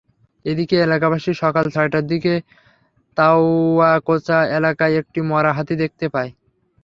এদিকে এলাকাবাসী সকাল ছয়টার দিকে তাওয়াকোচা এলাকায় একটি মরা হাতি দেখতে পায়।